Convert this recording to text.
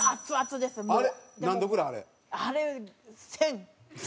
あれ１０００！